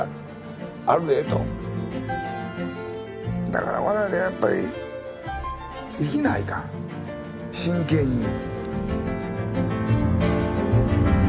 だから我々はやっぱり生きないかん真剣に。